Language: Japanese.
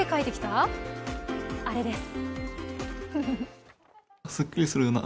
あれです。